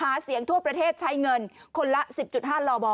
หาเสียงทั่วประเทศใช้เงินคนละ๑๐๕ลบ